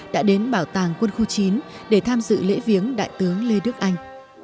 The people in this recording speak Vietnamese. đã đến bảo tàng quân khu chín để tham dự lễ viếng đại tướng lê đức anh